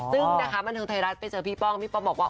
ซึ่งนะคะบันเทิงไทยรัฐไปเจอพี่ป้องพี่ป้องบอกว่า